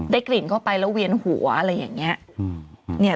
กลิ่นเข้าไปแล้วเวียนหัวอะไรอย่างนี้